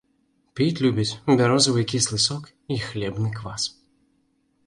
Піць любіць бярозавы кіслы сок і хлебны квас.